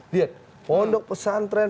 lihat pondok pesantren